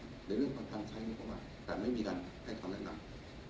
เดี๋ยวเรื่องอันทรัพย์ใช้มันก็มาแต่ไม่มีการให้คำแนะนำ